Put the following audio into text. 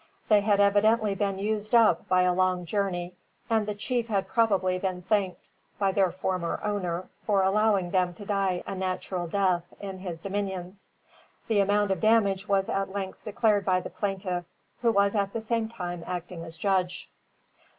They had evidently been used up by a long journey, and the chief had probably been thanked by their former owner for allowing them to die a natural death in his dominions. The amount of damage was at length declared by the plaintiff, who was at the same time acting as judge.